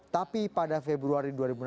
tapi pada februari dua ribu enam belas